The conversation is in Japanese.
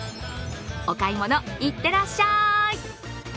お買い物、いってらっしゃい！